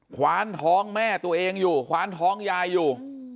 คว้านท้องแม่ตัวเองอยู่คว้านท้องยายอยู่